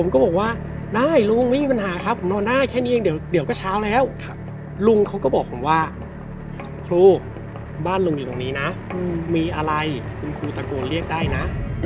ครูบ้านลุงอยู่ตรงนี้นะมีอะไรคุณครูตะโกนเรียกได้นะ